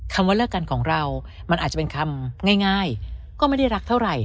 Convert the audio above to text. ว่าเลิกกันของเรามันอาจจะเป็นคำง่ายก็ไม่ได้รักเท่าไหร่